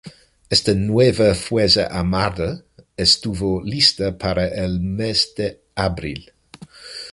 Esta nueva fuerza armada estuvo lista para el mes de abril.